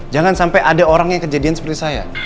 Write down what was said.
jangan sampai ada orangnya kejadian seperti saya